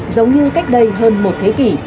giống như cách đây hơn một thế kỷ